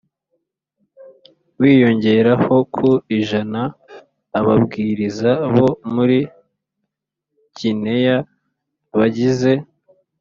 wiyongeraho ku ijana Ababwiriza bo muri Gineya bagize